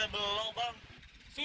kecetanya orang serius